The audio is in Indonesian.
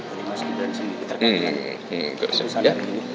oleh mas gibran sendiri terkait dengan putusan hari ini